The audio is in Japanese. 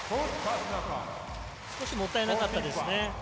少しもったいなかったですね。